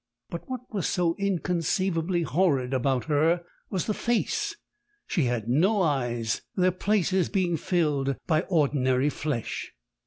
But what was so inconceivably horrid about her was the face: she had no eyes, their places being filled by ordinary flesh.